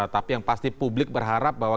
tapi yang pasti publik berharap bahwa